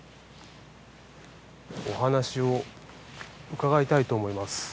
お話を伺いたいと思います。